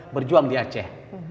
berjuang di aceh